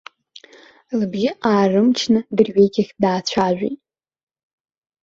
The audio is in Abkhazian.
Лыбжьы аарымчны дырҩегьых даацәажәеит.